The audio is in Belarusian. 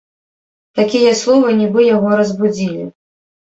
Такія словы нібы яго разбудзілі.